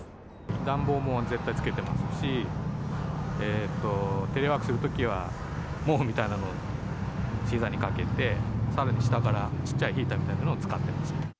暖房も絶対つけてますし、テレワークするときは、毛布みたいなのをひざにかけて、さらに下から小っちゃいヒーターみたいなのを使ってます。